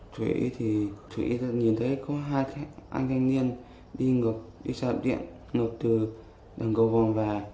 thủy thì nhìn thấy có hai anh thanh niên đi ngược đi xa lập điện ngược từ đường cầu vòng về